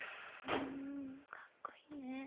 うんかっこいいね。